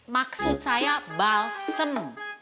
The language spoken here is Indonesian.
maksud saya balsam